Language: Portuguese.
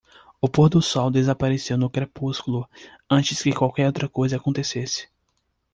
O pôr do sol desapareceu no crepúsculo antes que qualquer outra coisa acontecesse.